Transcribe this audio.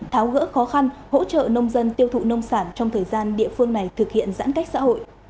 tháo gỡ khó khăn hỗ trợ nông dân tiêu thụ nông sản trong thời gian địa phương này thực hiện giãn cách xã hội